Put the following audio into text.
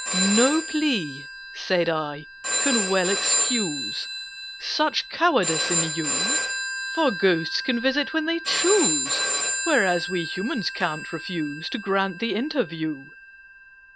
"No plea," said I, "can well excuse Such cowardice in you: For Ghosts can visit when they choose, Whereas we Humans ca'n't refuse To grant the interview."